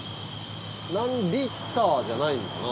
何リッターじゃないのかな。